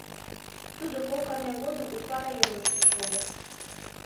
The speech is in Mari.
Тудо кок арня годым Уфа районышто шогыш.